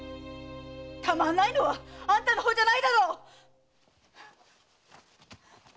たまんないのはあんたの方じゃないだろっ‼